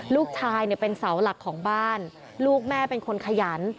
ลูกชายเนี่ยเป็นเสาหลักของบ้านลูกแม่เป็นคนขยัน